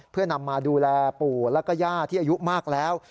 เพื่อนำมาดูแลปู่แล้วก็ย่าที่อายุมากแล้ว